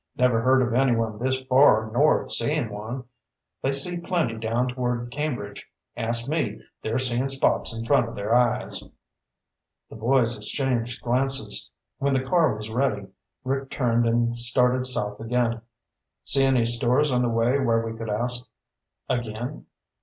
Never heard of anyone this far north seein' one. They see plenty down toward Cambridge. Ask me, they're seein' spots in front of their eyes." The boys exchanged glances. When the car was ready, Rick turned and started south again. "See any stores on the way where we could ask again?"